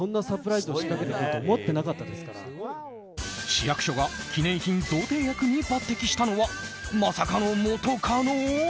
市役所が記念品贈呈役に抜擢したのはまさかの元カノ！